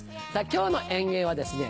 今日の演芸はですね